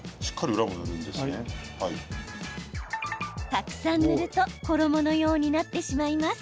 たくさん塗ると衣のようになってしまいます。